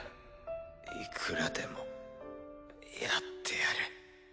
いくらでもやってやる。